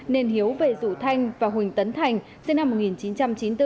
nên hiếu về rủ thanh và huỳnh tấn thành sinh năm một nghìn chín trăm chín mươi bốn